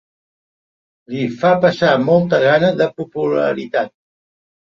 Li fa passar molta gana de popularitat.